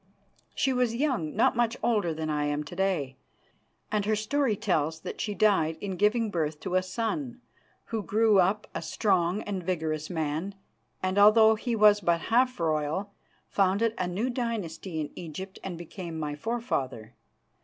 She was young, not much older than I am to day, and her story tells that she died in giving birth to a son, who grew up a strong and vigorous man, and although he was but half royal, founded a new dynasty in Egypt and became my forefather.